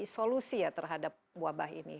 solusi ya terhadap wabah ini